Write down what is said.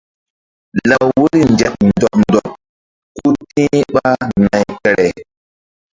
Law woyri nzek ndɔɓ ndɔɓ ku ti̧h ɓa nay kpere.